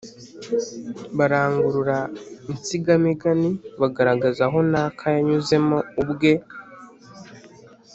Barangurura insigamigani, bagaragaza aho naka yanyuzemo ubwe,